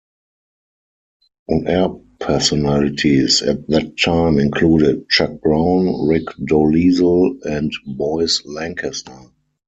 On air personalities at that time included Chuck Brown, Rick Dolezal and Boyce Lancaster.